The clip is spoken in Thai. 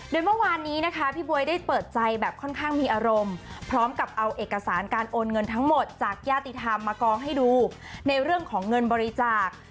โดยเมื่อวานนี้นะคะพี่บ๊วยได้เปิดใจแบบค่อนข้างมีอารมณ์พร้อมกับเอาเอกสารการโอนเงินทั้งหมดจากญาติธรรมมากองให้ดูในเรื่องของเงินบริจาค